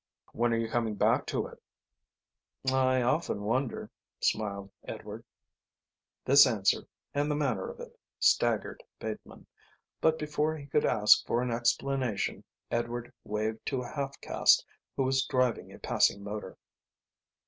"When are you coming back to it?" "I often wonder," smiled Edward. This answer, and the manner of it, staggered Bateman, but before he could ask for an explanation Edward waved to a half caste who was driving a passing motor.